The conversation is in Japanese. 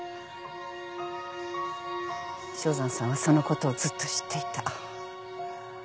正山さんはそのことをずっと知っていた。